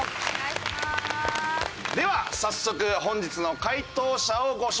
では早速本日の解答者をご紹介しましょう。